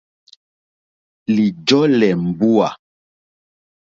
Lìjɔ́lɛ̀ mbúà.